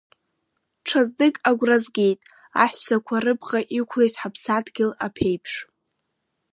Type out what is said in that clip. Ҽазнык агәра згеит, аҳәсақәа рыбӷа иқәлеит ҳаԥсадгьыл аԥеиԥш.